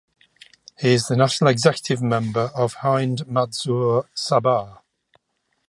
He is the National executive member of Hind Mazdoor Sabha.